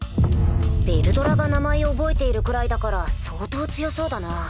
ヴェルドラが名前を覚えているくらいだから相当強そうだな。